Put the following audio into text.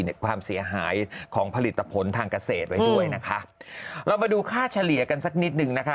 ในความเสียหายของผลิตผลทางเกษตรไว้ด้วยนะคะเรามาดูค่าเฉลี่ยกันสักนิดนึงนะคะ